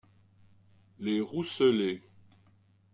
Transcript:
Les Rousselets.